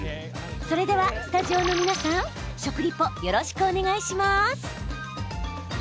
それでは、スタジオの皆さん食リポよろしくお願いします。